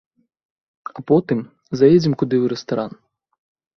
А потым заедзем куды ў рэстаран.